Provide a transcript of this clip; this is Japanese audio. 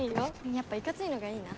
やっぱいかついのがいいな。